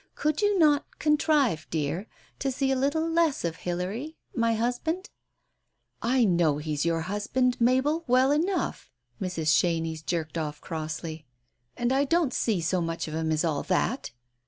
...! Could you not contrive, dear, to see a little less of Hilary — my husband ?" "I know he's your husband, Mabel, well enough I " Mrs. Chenies jerked out crossly. "And I don't see so much of him as all that